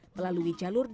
melalui jalan yang berbeda